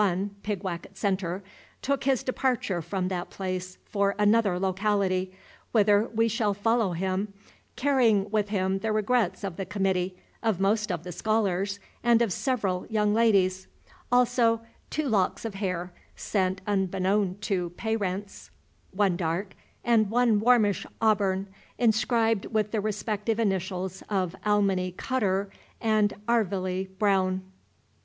1, Pigwacket Centre, took his departure from that place for another locality, whither we shall follow him, carrying with him the regrets of the committee, of most of the scholars, and of several young ladies; also two locks of hair, sent unbeknown to payrents, one dark and one warmish auburn, inscribed with the respective initials of Alminy Cutterr and Arvilly Braowne.